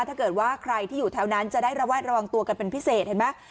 ถ้าเกิดว่าใครที่อยู่แถวนั้นจะได้ระแวดระวังตัวกันเป็นพิเศษเห็นไหม